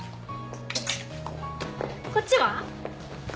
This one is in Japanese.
こっちは？